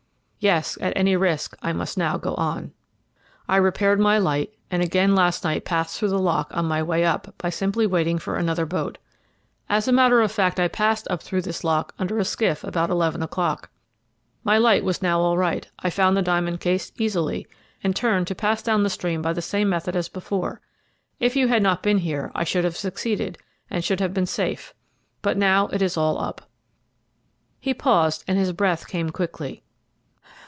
"Yes, at any risk, I must now go on. "I repaired my light, and again last night passed through the lock on my way up, by simply waiting for another boat. As a matter of fact, I passed up through this lock under a skiff about eleven o'clock. My light was now all right, I found the diamond case easily, and turned to pass down the stream by the same method as before. If you had not been here I should have succeeded, and should have been safe, but now it is all up." He paused, and his breath came quickly.